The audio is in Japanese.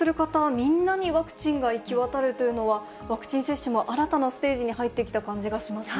みんなにワクチンが行き渡るというのは、ワクチン接種も新たなステージに入ってきた感じがしますね。